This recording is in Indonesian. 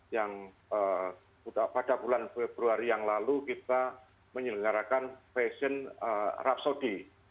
yang pada bulan februari yang lalu kita menyelenggarakan fashion arab saudi